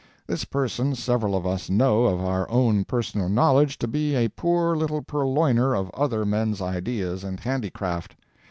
This person several of us know of our own personal knowledge to be a poor little purloiner of other men's ideas and handicraft.